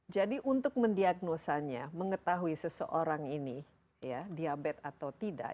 jadi untuk mendiagnosanya mengetahui seseorang ini diabetes atau tidak